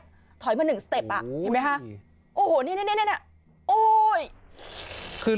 ๑สเต็ปอ่ะเห็นไหมฮะโอ้โหเนี่ยเนี่ยเนี่ยเนี่ยโอ้ยคือ